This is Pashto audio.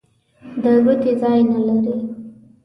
د ګوتې ځای نه لري.